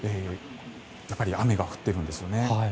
やっぱり雨が降っているんですよね。